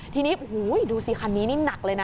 ทีนี้โอ้โหดูสิคันนี้นี่หนักเลยนะ